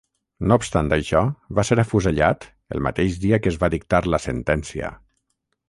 No obstant això, va ser afusellat el mateix dia que es va dictar la sentència.